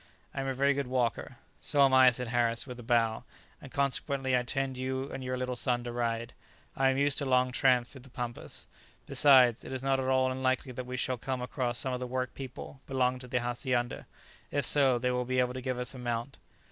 I am a very good walker." "So am I," said Harris, with a bow, "and consequently I intend you and your little son to ride. I am used to long tramps through the pampas. Besides, it is not at all unlikely that we shall come across some of the workpeople belonging to the hacienda; if so, they will be able to give us a mount."